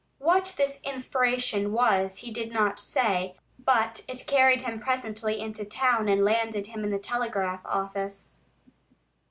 What this inspiration was he did not say, but it carried him presently into town and landed him in the telegraph office.